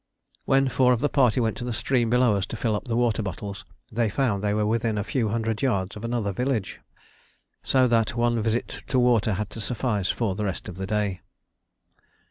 When four of the party went to the stream below us to fill up the water bottles, they found they were within a few hundred yards of another village, so that one visit to water had to suffice for the rest of the day.